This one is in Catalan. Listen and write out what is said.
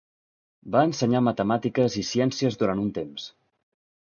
Va ensenyar matemàtiques i ciències durant un temps.